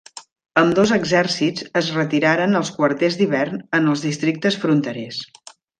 Ambdós exèrcits es retiraren als quarters d'hivern en els districtes fronterers.